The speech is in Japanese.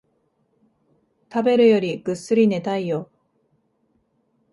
食べるよりぐっすり寝たいよ